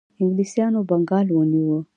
انګلیسانو بنګال ونیو.